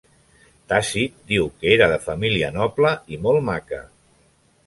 Tàcit diu que era de família noble i molt maca.